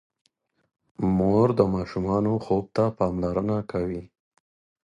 مور د ماشوم خوب ته پاملرنه کوي۔